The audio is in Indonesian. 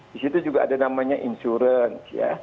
di situ juga ada namanya insurance